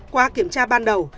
qua kiểm tra ban đầu